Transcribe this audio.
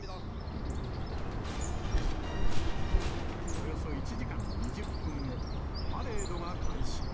およそ１時間２０分後、パレードが開始。